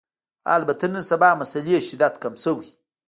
البته نن سبا مسألې شدت کم شوی